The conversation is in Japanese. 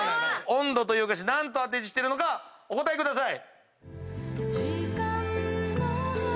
温度という歌詞何と当て字してるかお答えください。